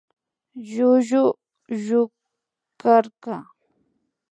Llullu llukarka